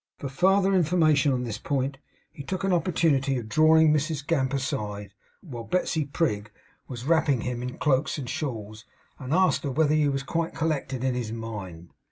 For farther information on this point, he took an opportunity of drawing Mrs Gamp aside, while Betsey Prig was wrapping him in cloaks and shawls, and asked her whether he was quite collected in his mind.